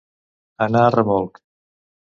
Anar a remolc.